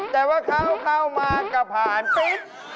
แต่ว่าเข้ามาก็ผ่านปิ๊ด